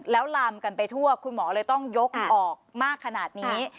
แล้วลามกันไปทั่วคุณหมอเลยต้องยกออกมากขนาดนี้